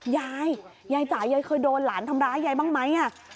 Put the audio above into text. ยายยายจ๋ายายเคยโดนหลานทำร้ายยายบ้างไหม